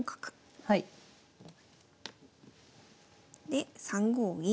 で３五銀。